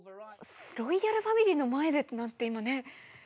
ロイヤルファミリーの前でなんて今ね。